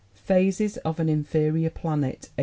Phases of an Inferior Planet, 1898.